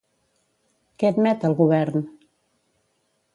Què admet el Govern?